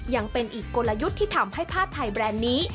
ยังเป็นอีกกลยุทธ์ที่ทำให้ผ้าไทยแบรนด์นี้